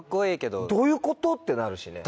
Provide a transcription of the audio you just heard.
どういうこと？ってなるしね。